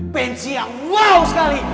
pensi yang wow sekali